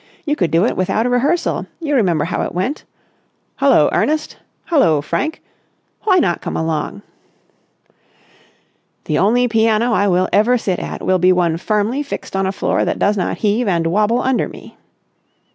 You could do it without a rehearsal. You remember how it went.... 'Hullo, Ernest!' 'Hullo, Frank!' Why not come along?" "The only piano I will ever sit at will be one firmly fixed on a floor that does not heave and wobble under me."